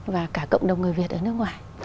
và cả cộng đồng người việt ở nước ngoài